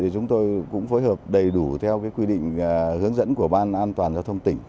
chúng tôi cũng phối hợp đầy đủ theo quy định hướng dẫn của ban an toàn giao thông tỉnh